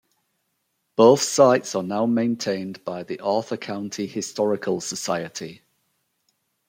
Both sites are now maintained by the Arthur County Historical Society.